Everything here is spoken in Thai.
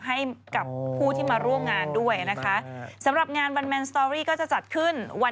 ให้กับผู้ที่มาร่วมงานด้วยนะคะ